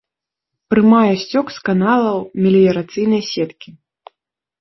Прымае сцёк з каналаў меліярацыйнай сеткі.